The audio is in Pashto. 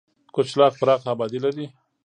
کچلاغ پراخه آبادي لري.